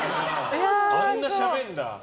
あんなしゃべんだ。